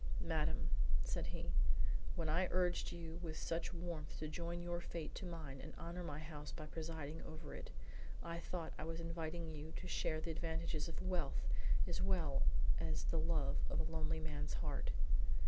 "Madame," said he "when I urged you with such warmth to join your fate to mine and honor my house by presiding over it, I thought I was inviting you to share the advantages of wealth as well as the love of a lonely man's heart.